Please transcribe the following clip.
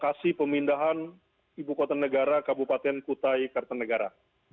lokasi pemindahan ibu kota negara kabupaten kutai kartanegara